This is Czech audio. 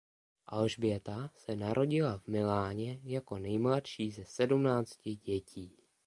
Alžběta se narodila v Miláně jako nejmladší ze sedmnácti dětí.